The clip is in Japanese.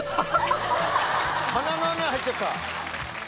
鼻の穴入っちゃった？